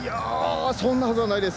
そんなはずはないです。